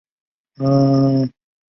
沙托鲁格。